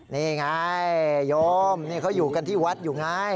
นี่ไงโยมนี่เขาอยู่กันที่วัดอยู่ไง